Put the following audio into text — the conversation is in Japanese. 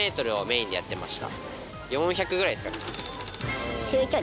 ４００ぐらいですかね。